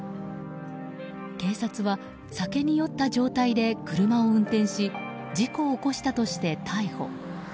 警察は酒に酔った状態で車を運転し事故を起こしたとして逮捕。